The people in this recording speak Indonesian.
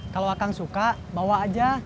kalau akan suka bawa aja